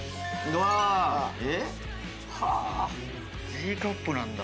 Ｇカップなんだ。